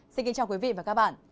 xin kính chào quý vị và các bạn